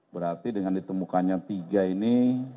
berarti dengan ditemukannya tiga ini